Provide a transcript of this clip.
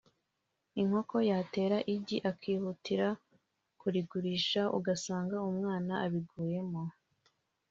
inkoko yatera igi akihutira kurigurisha ugasanga umwana abiguyemo